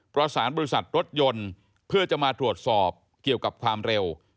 ประสานบริษัทรถยนต์เพื่อจะมาตรวจสอบเกี่ยวกับความเร็ว